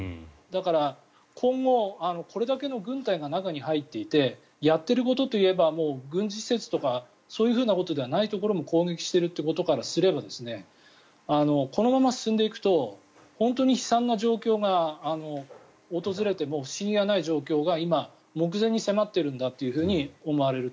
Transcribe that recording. だから今後、これだけの軍隊が中に入っていてやっていることといえば軍事施設とかそういうふうなところではないところも攻撃しているということからすればこのまま進んでいくと本当に悲惨な状況が訪れても不思議がない状況が今、目前に迫っているんだと思います。